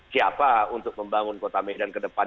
siapa untuk membangun kota medan ke depan